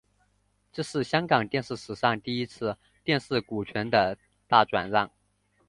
这是香港电视史上第一次电视股权大转让。